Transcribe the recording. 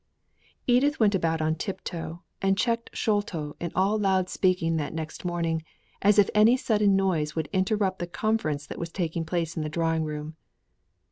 Edith went about on tip toe, and checked Sholto in all loud speaking that next morning, as if any sudden noise would interrupt the conference that was taking place in the drawing room.